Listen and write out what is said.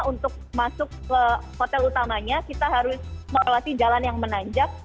untuk masuk ke hotel utamanya kita harus melewati jalan yang menanjak